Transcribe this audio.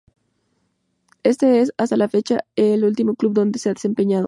Ese es, hasta la fecha, el último club donde se ha desempeñado.